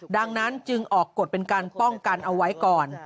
ดังนั้นจึงออกกฎเป็นการป้องกันเอาไว้ก่อน